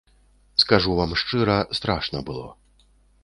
Скажу вам шчыра, страшна было.